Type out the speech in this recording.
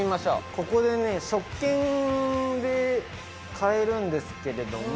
海海如食券で買えるんですけれども。